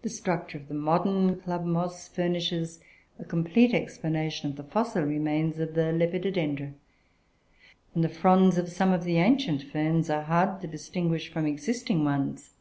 The structure of the modern club moss furnishes a complete explanation of the fossil remains of the Lepidodendra, and the fronds of some of the ancient ferns are hard to distinguish from existing ones.